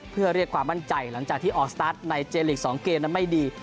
เพื่อเรียกความมั่นใจหลังจากที่ออกสตาร์ทในเจลีก๒เกมนั้นไม่ดี